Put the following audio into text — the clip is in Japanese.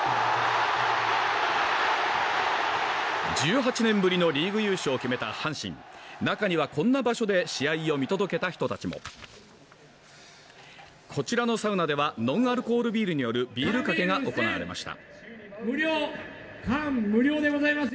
１８年ぶりのリーグ優勝を決めた阪神中にはこんな場所で試合を見届けた人たちもこちらのサウナではノンアルコールビールによるビールかけが行われました